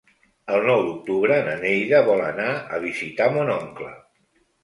El nou d'octubre na Neida vol anar a visitar mon oncle.